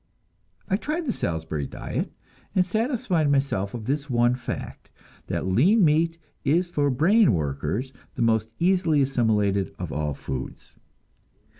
I tried the Salisbury diet, and satisfied myself of this one fact, that lean meat is for brain workers the most easily assimilated of all foods.